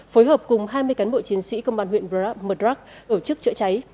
phối hợp cùng hai mươi cán bộ chiến sĩ công an huyện mờ đrắc tổ chức chữa cháy